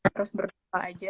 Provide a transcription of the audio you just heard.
terus berdua aja